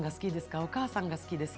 お母さんが好きですか？